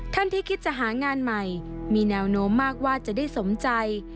ท่านที่คิดจะหางานใหม่มีแนวโน้มมากว่าจะได้สมใจ